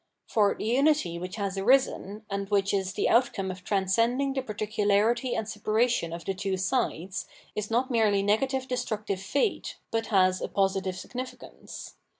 Bor the unity which has arisen, and which is the outcome of transcending the particularity and separation of the two sides, is not merely negative destructive fate, but has a positive significance.